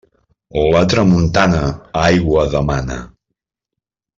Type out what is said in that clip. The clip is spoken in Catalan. La tramuntana, aigua demana.